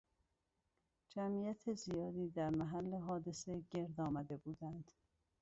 جمعیت زیادی در محل حادثه گرد آمده بودند.